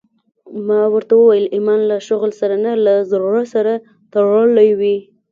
ما ورته وويل ايمان له شغل سره نه له زړه سره تړلى وي.